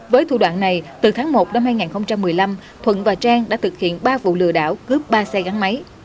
với thủ đoạn này từ tháng một năm hai nghìn một mươi năm thuận và trang đã thực hiện ba vụ lừa đảo cướp ba xe gắn máy